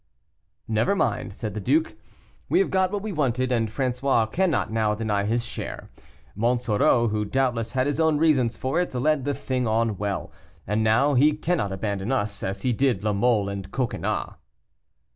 "Never mind," said the duke, "we have got what we wanted, and François cannot now deny his share. Monsoreau, who doubtless had his own reasons for it, led the thing on well, and now he cannot abandon us, as he did La Mole and Coconnas."